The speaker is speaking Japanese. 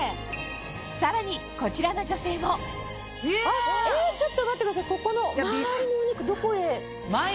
さらにこちらの女性もちょっと待ってください。